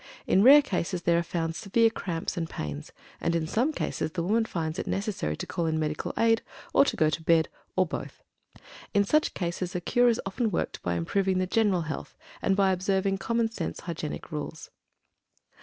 In rare cases there are found severe cramps and pains, and in some cases the woman finds it necessary to call in medical aid, or to go to bed, or both. In such cases a cure is often worked by improving the general health, and by observing common sense hygienic rules.